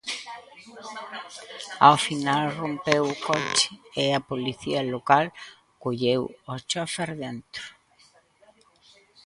Ao final rompeu o coche e a Policía Local colleu o chofer dentro.